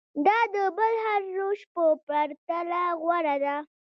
دا د بل هر روش په پرتله غوره ده.